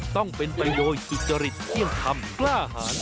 ต้องเป็นไปโดยสุจริตเที่ยงธรรมกล้าหาร